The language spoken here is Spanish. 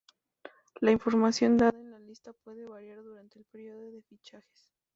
La información dada en la lista puede variar durante el período de fichajes.